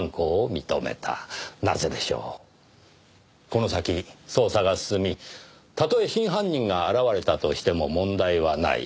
この先捜査が進みたとえ真犯人が現れたとしても問題はない。